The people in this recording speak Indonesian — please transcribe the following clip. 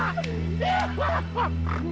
ini kalau suara aku aja